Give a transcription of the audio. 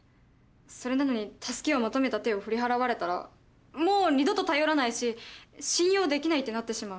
それなのに助けを求めた手を振り払われたらもう二度と頼らないし信用できないってなってしまう。